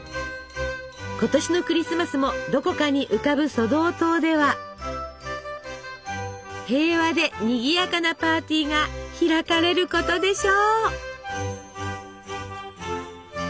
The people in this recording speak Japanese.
今年のクリスマスもどこかに浮かぶソドー島では平和でにぎやかなパーティーが開かれることでしょう。